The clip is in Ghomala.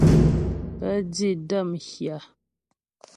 Pə́ di də́ m hyâ.